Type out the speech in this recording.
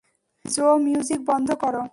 জো music বন্ধ কর।